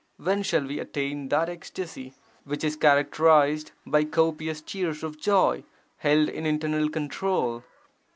when shall we attain that ecstasy which is characterized by copious tears of joy held in internal control!